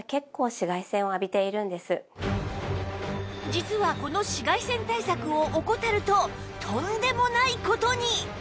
実はこの紫外線対策を怠るととんでもない事に！